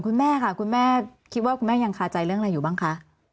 คุณแม่ค่ะคุณแม่คิดว่าคุณแม่ยังคาใจเรื่องอะไรอยู่บ้างคะ